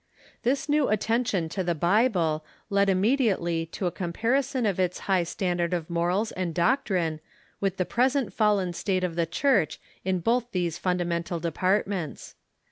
This new attention to the Bible led immediately to a compari son of its high standard of morals and doctrine with the pres ent fallen state of the Church in both these fundatnental de partments.